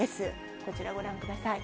こちらご覧ください。